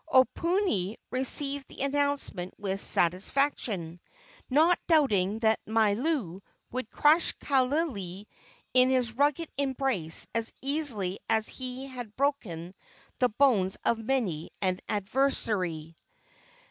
Oponui received the announcement with satisfaction, not doubting that Mailou would crush Kaaialii in his rugged embrace as easily as he had broken the bones of many an adversary.